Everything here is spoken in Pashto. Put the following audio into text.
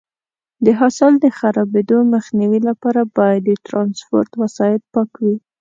د حاصل د خرابېدو مخنیوي لپاره باید د ټرانسپورټ وسایط پاک وي.